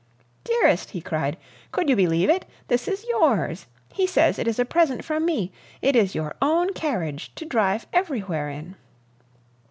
"Dearest!" he cried, "could you believe it? This is yours! He says it is a present from me. It is your own carriage to drive everywhere in!"